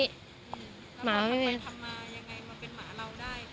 แล้วหมาทำไปทำมายังไงมาเป็นหมาเราได้